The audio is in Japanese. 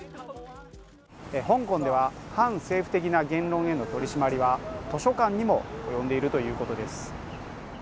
香港では反政府的な言論への取り締まりは、図書館にも及んでいるということです。